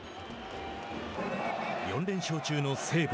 ４連勝中の西武。